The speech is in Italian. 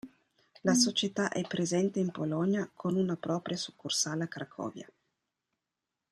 La società è presente in Polonia con una propria succursale a Cracovia.